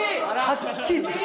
はっきり。